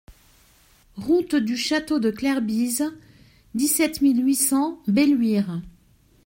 Route du Chateau de Clerbise, dix-sept mille huit cents Belluire